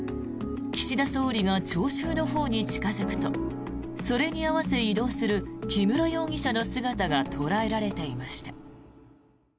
岸田総理が聴衆のほうに近付くとそれに合わせ、移動する木村容疑者の姿が捉えられていました。